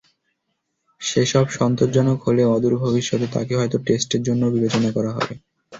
সেসব সন্তোষজনক হলে অদূর ভবিষ্যতে তাঁকে হয়তো টেস্টের জন্যও বিবেচনা করা হবে।